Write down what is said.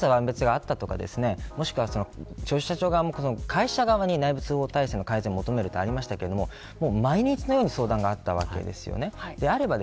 もちろん、千差万別があったとかもしくは消費者庁側も会社側に改善を求めるというのがありましたが、毎日のように相談があったわけです。